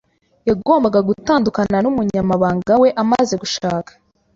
Yagombaga gutandukana n’umunyamabanga we amaze gushaka.